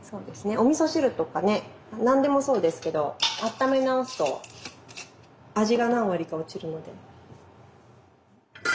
おみそ汁とかね何でもそうですけどあっため直すと味が何割か落ちるので。